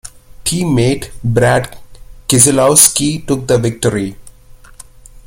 Teammate Brad Keselowski took the victory.